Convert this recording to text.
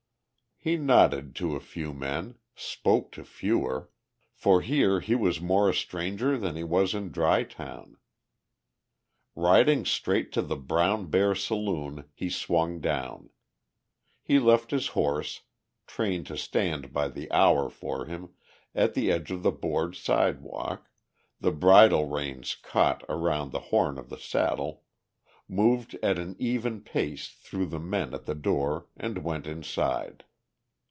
He nodded to a few men, spoke to fewer, for here was he more a stranger than he was in Dry Town. Riding straight to the Brown Bear Saloon he swung down. He left his horse, trained to stand by the hour for him, at the edge of the board sidewalk, the bridle reins caught around the horn of the saddle, moved at an even pace through the men at the door and went inside.